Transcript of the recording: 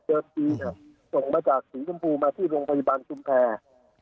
เบอร์สีส่งมาจากศรีชมพูมาที่โรงพยาบาลศูนย์แพร่